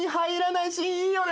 いいよね。